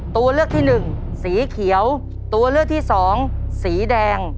ตัวเลือกที่หนึ่งสีเขียวตัวเลือกที่สองสีแดง